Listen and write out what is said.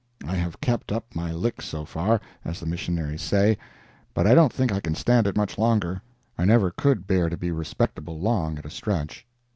I have kept up my lick so far, as the missionaries say, but I don't think I can stand it much longer. I never could bear to be respectable long at a stretch).